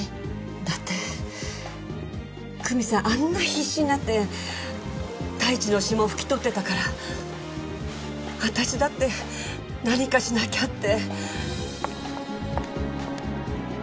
だって久美さんあんな必死になって太一の指紋拭き取ってたから私だって何かしなきゃって。